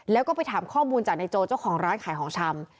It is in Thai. แล้วก็ไปถามข้อมูลจากนายโจเจ้าของร้านขายของชำ